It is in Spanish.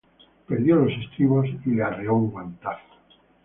Perdió los estribos y le arreó un guantazo